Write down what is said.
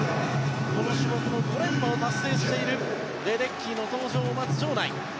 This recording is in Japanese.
この種目の５連覇を達成しているレデッキーの登場を待つ場内。